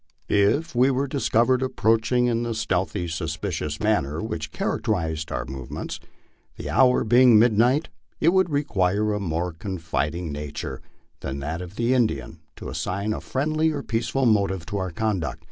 If we were discovered approaching in the stealthy, suspicious manner which characterized our movements, the hour being mid night, it would require a more confiding nature than that of the Indian to assign a friendly or peaceful motive to our conduct.